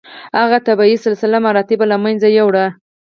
هغه طبیعي سلسله مراتب له منځه یووړه.